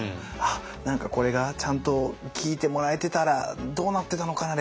何かこれがちゃんと聞いてもらえてたらどうなってたのかな？